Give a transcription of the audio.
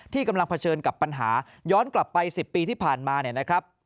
ที่กำลังเผชิญกับปัญหาย้อนกลับไป๑๐ปีที่ผ่านมา